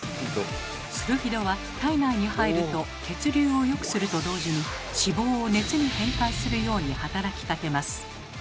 スルフィドは体内に入ると血流をよくすると同時に脂肪を熱に変換するように働きかけます。